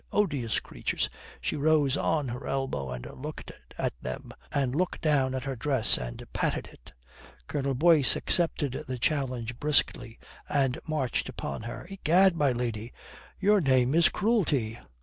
Odious creatures!" she rose on her elbow and looked at them, and looked down at her dress and patted it. Colonel Boyce accepted the challenge briskly, and marched upon her. "Egad, my lady, your name is cruelty."